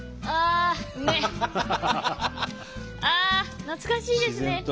ああ懐かしいですね。